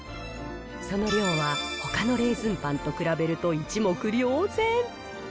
その量はほかのレーズンパンと比べると一目瞭然。